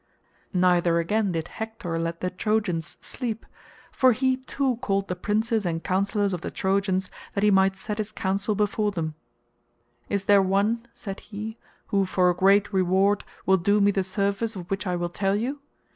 Neither again did Hector let the Trojans sleep; for he too called the princes and councillors of the Trojans that he might set his counsel before them. "Is there one," said he, "who for a great reward will do me the service of which I will tell you?